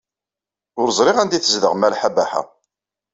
Ur ẓriɣ anda ay tezdeɣ Malḥa Baḥa.